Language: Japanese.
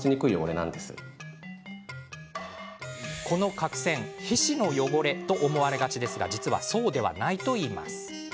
角栓は皮脂の汚れと思われがちですが実は、そうではないといいます。